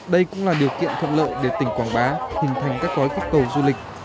đây cũng là điều kiện thuận lợi để tỉnh quảng bá hình thành các gói các tàu du lịch